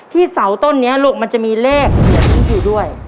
ที่เสาต้นนี้ลูกมันจะมีเลขอยู่ด้วย